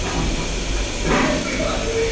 El tercero, Cadalora, está a una eternidad.